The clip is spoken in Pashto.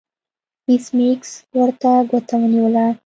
ایس میکس ورته ګوته ونیوله